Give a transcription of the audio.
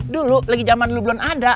dulu lagi zaman dulu belum ada